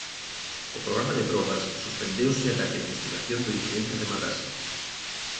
O programa de probas suspendeuse ata que a investigación do incidente rematase.